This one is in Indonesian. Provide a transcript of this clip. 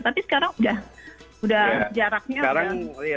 tapi sekarang sudah jaraknya